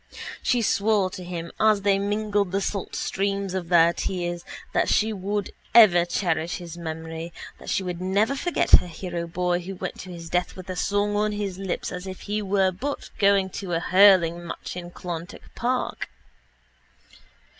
She swore to him as they mingled the salt streams of their tears that she would ever cherish his memory, that she would never forget her hero boy who went to his death with a song on his lips as if he were but going to a hurling match in Clonturk park.